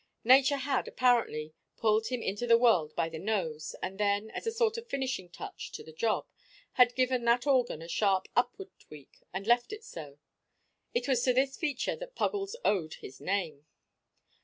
Nature had, apparently, pulled him into the world by the nose, and then, as a sort of finishing touch to the job, had given that organ a sharp upward tweak and left it so. It was to this feature that Puggles owed his name.